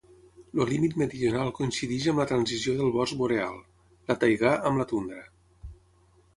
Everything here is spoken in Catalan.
El límit meridional coincideix amb la transició del bosc boreal, la taigà amb la tundra.